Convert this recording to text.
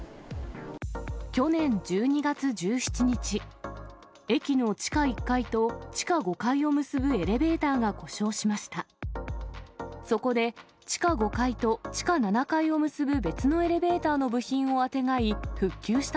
去年１２月１７日、駅の地下１階と地下５階を結ぶエレベーターが故障しました。